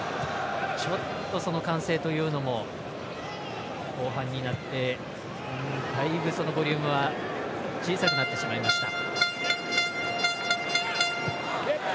ちょっと歓声というのも後半になってだいぶそのボリュームは小さくなってしまいました。